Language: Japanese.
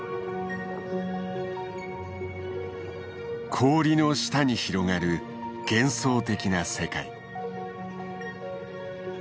氷の下に広がる幻想的な世界。